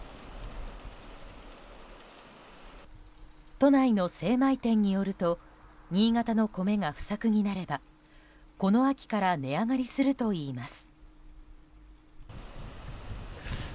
都内の精米店によると新潟の米が不作になればこの秋から値上がりするといいます。